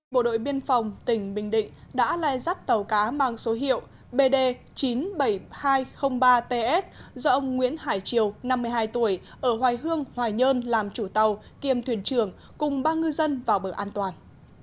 bộ đội biên phòng tỉnh bình định đã lai dắt tàu cá mang số hiệu bd chín mươi bảy nghìn hai trăm linh ba ts do ông nguyễn hải triều năm mươi hai tuổi ở hoài hương hoài nhơn làm chủ tàu kiêm thuyền trưởng cùng ba ngư dân vào bờ an toàn